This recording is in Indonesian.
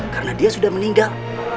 karena dia sudah meninggal